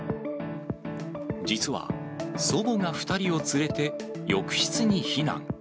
実は、祖母が２人を連れて浴室に避難。